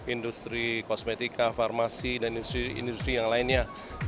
industri kosmetika farmasi dan industri yang lainnya